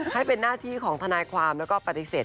ให้เป็นหน้าที่ของทนายความแล้วก็ปฏิเสธ